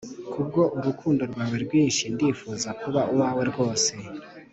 Kubwo urukundo rwawe rwinshi ndifuza kuba uwawe rwose